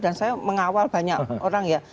dan saya mengawal banyak orang ya